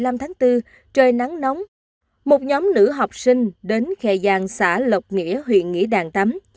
một nhóm nữ học sinh đến khè giang xã lộc nghĩa huyện nghĩa đàn tắm